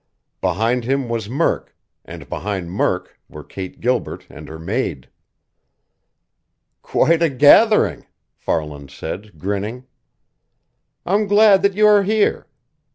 Behind him was Murk, and behind Murk were Kate Gilbert and her maid. "Quite a gathering!" Farland said, grinning. "I'm glad that you are here.